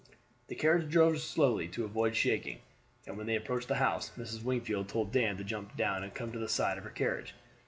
The carriage drove slowly to avoid shaking, and when they approached the house Mrs. Wingfield told Dan to jump down and come to the side of her carriage.